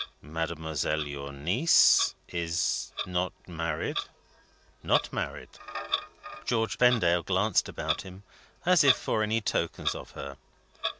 "Mademoiselle your niece is not married?" "Not married." George Vendale glanced about him, as if for any tokens of her.